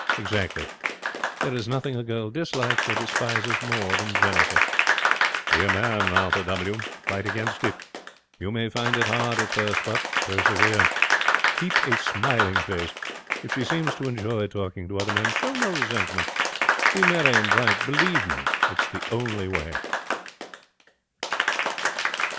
Exactly. There is nothing a girl dislikes or despises more than jealousy. Be a man, Arthur W. Fight against it. You may find it hard at first, but persevere. Keep a smiling face. If she seems to enjoy talking to other men, show no resentment. Be merry and bright. Believe me, it is the only way.